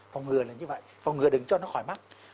phòng ngừa là như vậy phòng ngừa đừng cho nó khỏi mắc